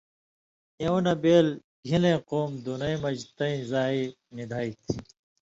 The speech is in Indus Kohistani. اېوں نہ بېل گھِن٘لیۡ قُوم دنَیں مژ تَیں زائ نی دھیں تھی۔